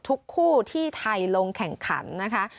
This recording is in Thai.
ทุกคู่ที่ไทยลงแข่งขันนะคะ